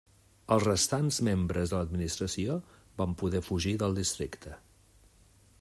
Els restants membres de l'Administració van poder fugir del districte.